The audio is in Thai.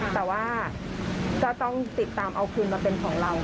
แต่ว่าก็ต้องติดตามเอาคืนมาเป็นของเรา